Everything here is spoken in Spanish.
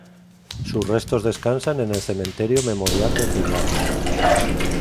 Sus restos descansan en el cementerio Memorial de Pilar.